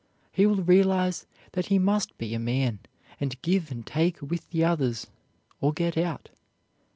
He will realize that he must be a man and give and take with the others, or get out.